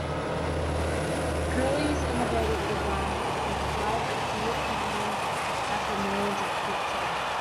Curlee's innovative designs inspired a cult following that remains active today.